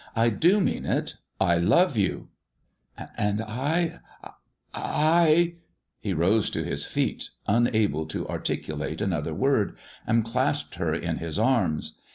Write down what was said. " I do mean it ! I love you !"" And I— I " He rose to his feet, unable to articulate another word, and clasped her in his arms.